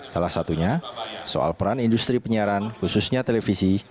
salah satunya soal peran industri penyiaran khususnya televisi